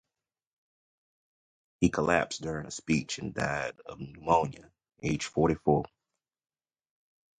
He collapsed during a speech and died of pneumonia, aged forty-four.